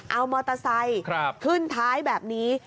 เอามอเตอร์ไซค์ขึ้นท้ายแบบนี้